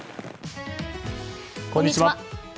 こんにちは。